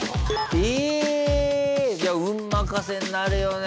ええ！じゃあ運任せになるよね